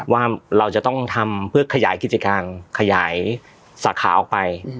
ว่าเราจะต้องทำเพื่อขยายกิจการขยายสาขาออกไป